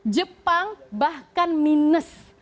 jepang bahkan minus